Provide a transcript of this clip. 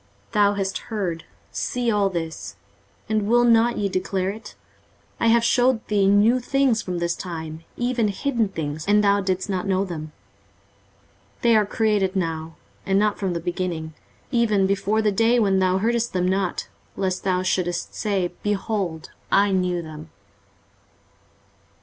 23:048:006 Thou hast heard, see all this; and will not ye declare it? I have shewed thee new things from this time, even hidden things, and thou didst not know them. 23:048:007 They are created now, and not from the beginning; even before the day when thou heardest them not; lest thou shouldest say, Behold, I knew them.